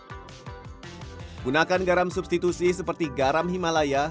bagi orang orang yang ingin menggunakan garam substitusi seperti garam himalaya